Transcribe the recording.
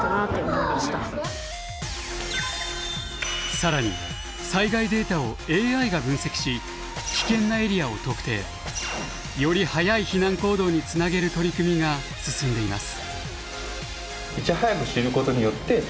更に災害データをＡＩが分析し危険なエリアを特定。より早い避難行動につなげる取り組みが進んでいます。